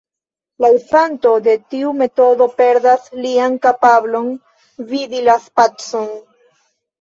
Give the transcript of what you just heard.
La uzanto de tiu metodo perdas lian kapablon vidi la spacon.